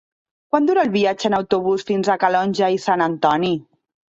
Quant dura el viatge en autobús fins a Calonge i Sant Antoni?